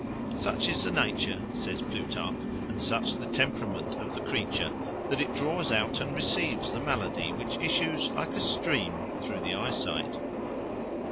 "Such is the nature," says Plutarch, "and such the temperament of the creature that it draws out and receives the malady which issues, like a stream, through the eyesight."